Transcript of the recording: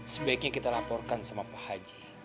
sebaiknya kita laporkan sama pak haji